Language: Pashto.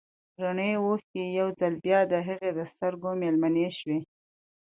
رڼې اوښکې يو ځل بيا د هغې د سترګو مېلمنې شوې.